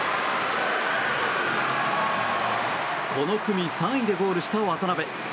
この組３位でゴールした渡辺。